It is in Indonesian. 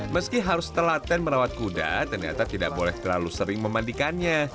meski harus telaten merawat kuda ternyata tidak boleh terlalu sering memandikannya